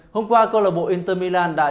hôm qua club inter milan đã trình bày